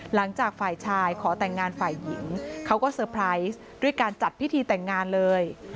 หลังจากฝ่ายชายขอแต่งงานฝ่ายหญิงเขาก็เซอร์ไพรส์ด้วยการจัดพิธีแต่งงานเลย